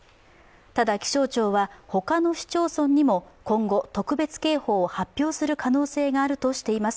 ただ、気象庁はほかの市町村にも今後特別警報を発表する可能性があるとしています